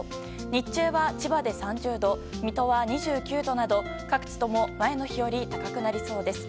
日中は、千葉で３０度水戸は２９度など各地とも前の日より高くなりそうです。